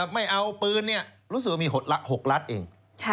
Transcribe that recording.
ไม่เอาปืนรู้สึกว่ามี๖ลัดเอง